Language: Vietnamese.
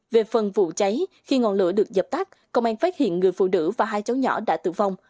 về phần vụ cháy khi ngọn lửa được dập tắt công an phát hiện người phụ nữ và hai cháu nhỏ đã tử vong